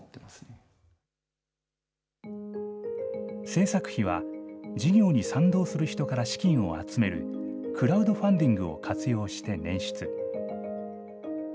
制作費は、事業に賛同する人から資金を集める、クラウドファンディングを活用して捻出。